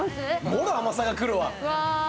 もろ甘さがくる。